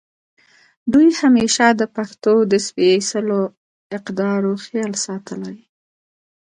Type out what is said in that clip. دوي همېشه د پښتو د سپېځلو اقدارو خيال ساتلے